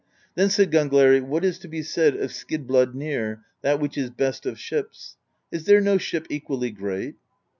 Then said Gangleri: "What is to be said of Skid bladnir, that which is best of ships ? Is there no ship equally great?"